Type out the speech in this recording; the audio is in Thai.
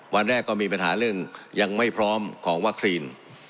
วันแรกก็มีปัญหาเรื่องยังไม่พร้อมของวัคซีน